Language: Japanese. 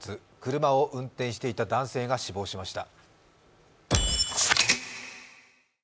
車を運転していた男性が死亡しました。